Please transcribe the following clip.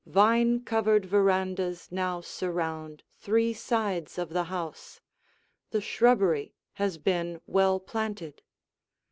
Vine covered verandas now surround three sides of the house; the shrubbery has been well planted.